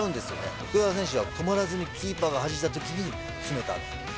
福田選手は止まらずに、キーパーがはじいたときに、詰めた。